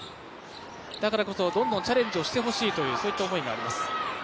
だからこそどんどんチャレンジをしてほしいという思いがあります。